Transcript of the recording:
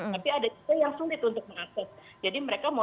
tapi ada juga yang sulit untuk mengakses